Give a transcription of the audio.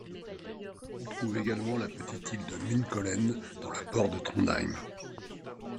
On trouve également la petite île de Munkholmen dans le port de Trondheim.